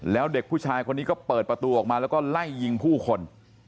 แล้วเด็กผู้ชายคนนี้ก็เปิดประตูออกมาแล้วก็ไล่ยิงผู้คน